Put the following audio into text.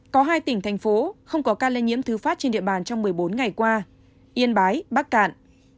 có hai tỉnh thành phố không có ca lây nhiễm thứ phát trên địa bàn trong một mươi bốn ngày qua yên bái bắc cạn